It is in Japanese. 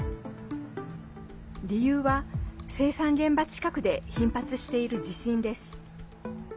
理由は、生産現場近くで頻発している地震です。